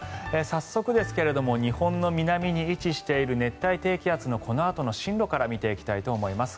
早速ですけれども日本の南に位置している熱帯低気圧のこのあとの進路から見ていきたいと思います。